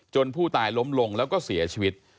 ผู้ตายล้มลงแล้วก็เสียชีวิต